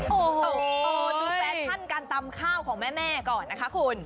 ดูแฟชั่นการตำข้าวของแม่แม่ก่อนนะคุณ